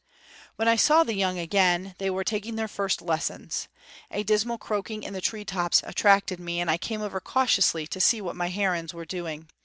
When I saw the young again they were taking their first lessons. A dismal croaking in the tree tops attracted me, and I came over cautiously to see what my herons were doing.